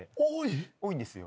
多いんですよ。